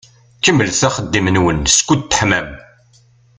Kemmlet axeddim-nwen skud teḥmam.